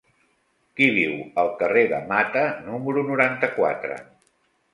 Qui viu al carrer de Mata número noranta-quatre?